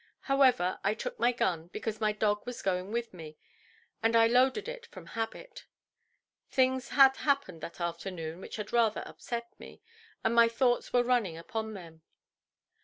However, I took my gun, because my dog was going with me, and I loaded it from habit. Things had happened that afternoon which had rather upset me, and my thoughts were running upon them.